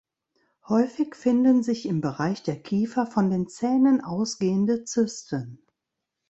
Häufig finden sich im Bereich der Kiefer von den Zähnen ausgehende Zysten.